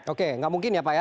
oke nggak mungkin ya pak ya